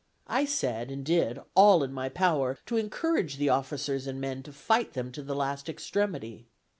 I said, and did all in my power, to encourage the officers and men to fight them to the last extremity.